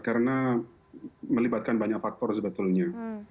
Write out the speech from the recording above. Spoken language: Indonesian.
karena melibatkan banyak faktor sebetulnya